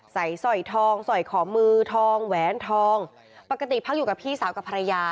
สร้อยทองสอยขอมือทองแหวนทองปกติพักอยู่กับพี่สาวกับภรรยา